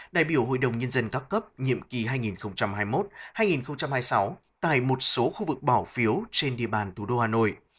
đại biểu hội đồng nhân dân các cấp nhiệm kỳ hai nghìn hai mươi một hai nghìn hai mươi sáu tại một số khu vực bỏ phiếu trên địa bàn thủ đô hà nội